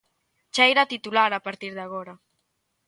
Cheira a titular a partir de agora.